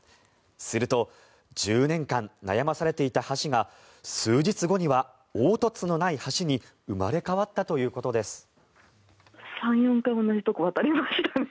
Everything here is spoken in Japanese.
すると１０年間悩まされていた橋が数日後には凹凸のない橋に生まれ変わったということです。